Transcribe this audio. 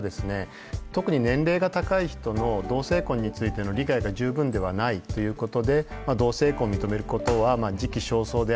特に年齢が高い人の同性婚についての理解が十分ではないということでまあ同性婚を認めることは時期尚早である。